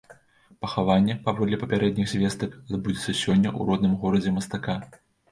Пахаванне, паводле папярэдніх звестак, адбудзецца сёння ў родным горадзе мастака.